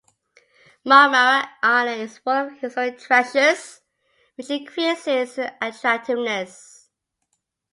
Marmara island is full of historical treasures which increase its attractiveness.